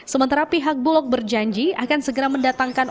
sementara pihak bulog berjanji akan segera mendatangkan